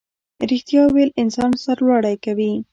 ریښتیا ویل انسان سرلوړی کوي